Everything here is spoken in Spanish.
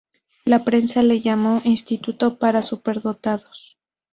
La prensa le llamó "Instituto para Superdotados".